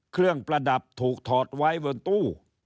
เครื่องประดับถูกถอดไว้บนตู้